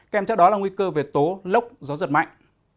kèm theo đó là nguy cơ về tố lốc gió giật mạnh